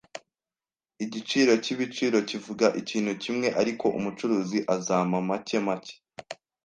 Igiciro cyibiciro kivuga ikintu kimwe, ariko umucuruzi azampa make make.